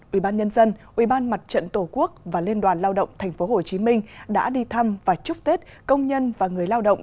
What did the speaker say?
ubnd ubnd mặt trận tổ quốc và liên đoàn lao động tp hcm đã đi thăm và chúc tết công nhân và người lao động